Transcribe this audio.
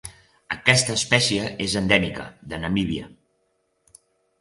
Aquesta espècie és endèmica de Namíbia.